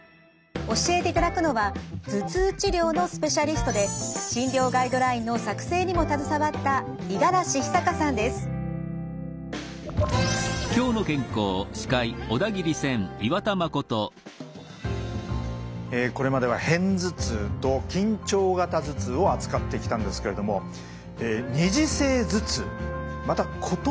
教えていただくのは頭痛治療のスペシャリストで診療ガイドラインの作成にも携わったこれまでは片頭痛と緊張型頭痛を扱ってきたんですけれども二次性頭痛また異なるタイプの頭痛なんですね。